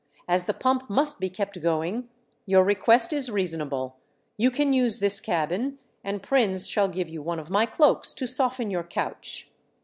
As the pump must be kept going, your request is reasonable. You can use this cabin, and Prins shall give you one of my cloaks to soften your couch."